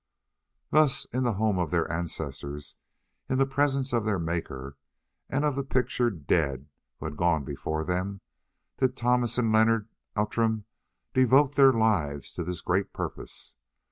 Thus in the home of their ancestors, in the presence of their Maker, and of the pictured dead who had gone before them, did Thomas and Leonard Outram devote their lives to this great purpose.